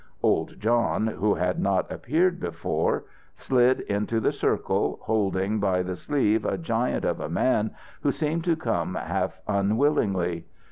Old John, who had not appeared before, slid into the circle, holding by the sleeve a giant of a man who seemed to come half unwillingly.